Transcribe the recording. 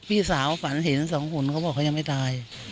พี่สาวฝันเห็นสองคนเขาบอกเขายังไม่ตาย